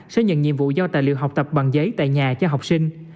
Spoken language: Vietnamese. sẽ nhận nhiệm vụ giao tài liệu học tập bằng giấy tại nhà cho học sinh